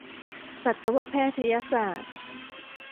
สัตวแพทยศาสตร์